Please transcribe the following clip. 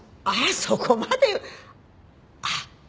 そこまではあっ。